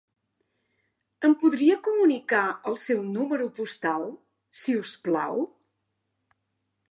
Em podria comunicar el seu número postal, si us plau?